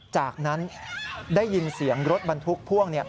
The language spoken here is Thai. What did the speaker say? จากนั้นได้ยินเสียงรถบรรทุกพ่วง